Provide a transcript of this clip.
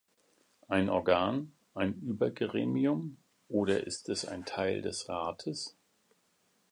Ein Organ, ein Übergremium, oder ist es ein Teil des Rates?